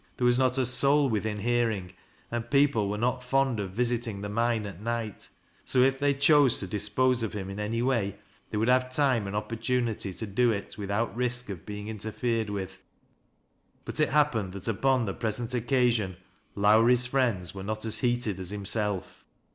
There was not a soul within hearing, and people were not fond of visiting the mine at night, so if they chose to dispose of him in any way, they would have time and opportunity to do it without risk of being interfered with. But it happened that upon the present occasion Lowrie's friends were not as heated as himself.